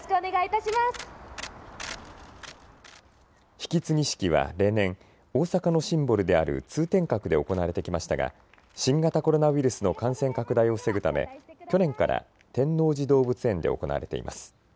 引き継ぎ式は例年、大阪のシンボルである通天閣で行われてきましたが新型コロナウイルスの感染拡大を防ぐため去年から天王寺動物園で行われています。